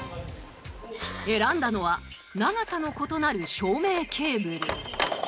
選んだのは長さの異なる照明ケーブル。